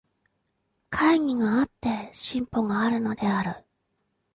懐疑があって進歩があるのである。